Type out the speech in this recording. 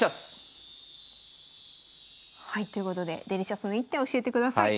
はいということでデリシャスの一手を教えてください。